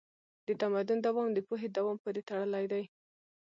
د تمدن دوام د پوهې دوام پورې تړلی دی.